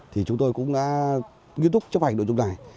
thì chúng tôi cũng đã nghiên túc chấp hành đội dụng này